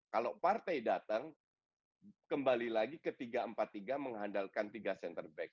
kalau partai datang kembali lagi ke tiga empat tiga mengandalkan tiga center back